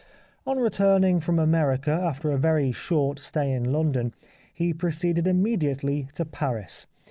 On returning from America, after a very short stay in London, he proceeded immediately to Paris.